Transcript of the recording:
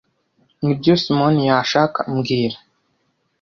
Nibyo Simoni yashaka mbwira